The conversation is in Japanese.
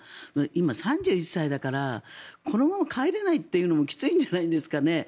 今、３１歳だからこのまま帰れないっていうのもきついんじゃないですかね。